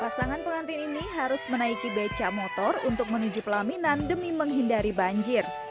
pasangan pengantin ini harus menaiki beca motor untuk menuju pelaminan demi menghindari banjir